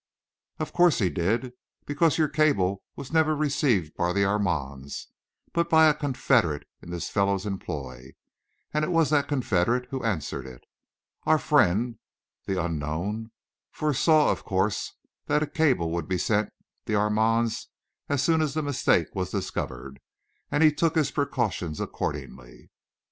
"Of course he did, because your cable was never received by the Armands, but by a confederate in this fellow's employ; and it was that confederate who answered it. Our friend, the unknown, foresaw, of course, that a cable would be sent the Armands as soon as the mistake was discovered, and he took his precautions accordingly."